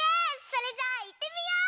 それじゃあいってみよう！